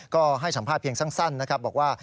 ก็ให้สัมภาษณเพียงสั้นนะครับบอกว่า